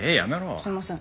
すいません。